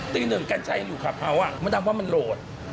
ตี๑กิ้นใช้อยู่คลับเฮ้าอ่ะมันทำว่ามันโหลด